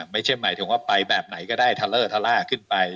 ไม่ใช่หมายถึงว่าไปแบบไหนก็ได้ทะเลอร์ทะล่าขึ้นไป